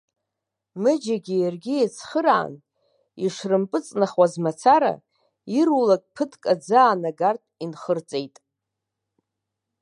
Мыџьагьы иаргьы еицхыраан, ишрымпыҵнахуаз мацара, ирулак ԥыҭк аӡы аанагартә инхырҵеит.